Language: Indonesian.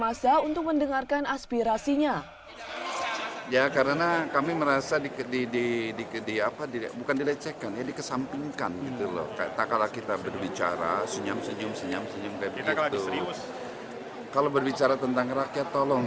masa untuk mendengarkan aspirasinya